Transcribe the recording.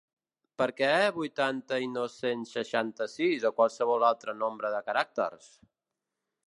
Per què vuitanta i no cent seixanta-sis o qualsevol altre nombre de caràcters?